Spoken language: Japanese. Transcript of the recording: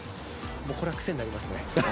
これは本当に癖になりますね。